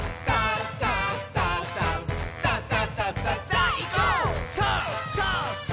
さあ！さあ！」